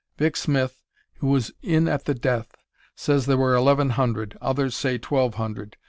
Vic. Smith, who was "in at the death," says there were eleven hundred, others say twelve hundred.